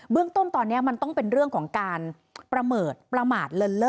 เรื่องต้นตอนนี้มันต้องเป็นเรื่องของการประเมิดประมาทเลินเล่อ